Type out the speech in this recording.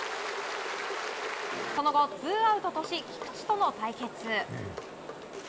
その後、ツーアウトとし菊池との対決。